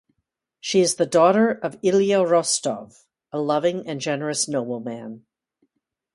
She is the daughter of Ilya Rostov, a loving and generous nobleman.